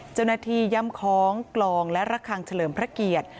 เจ้าหน้าที่ย่ำคล้องกลองและระคางเฉลิมพระเกียรติ